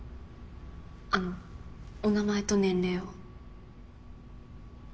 あのお名前と年齢を。